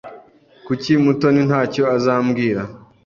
Kuki Mutoni ntacyo azambwira?